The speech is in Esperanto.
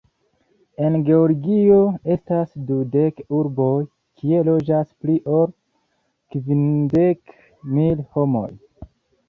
En Georgio estas dudek urboj, kie loĝas pli ol kvindek mil homoj.